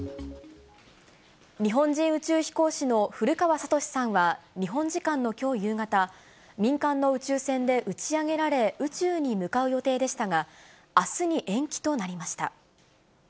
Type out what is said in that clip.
日本人宇宙飛行士の古川聡さんは日本時間のきょう夕方、民間の宇宙船で打ち上げられ、宇宙に向かう予定でしたが、あすに延期となりました。